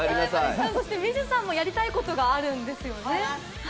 ＭＩＺＹＵさんもやりたいことがあるんですよね。